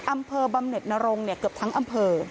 อำเภอบำเน็ตนรงเกือบทั้งอำเภอ